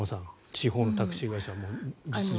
地方のタクシー会社の実情